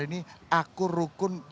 ini akur rukun